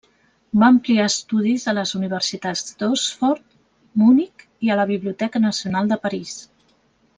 Va ampliar estudis a les universitats d'Oxford, Munic i a la Biblioteca Nacional de París.